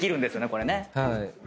これね。